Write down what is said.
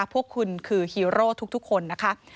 พวกคุณคือฮีโร่ทุกคนนะคะ